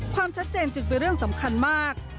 ความชัดเจนจึงเป็นเรื่องสำคัญมาก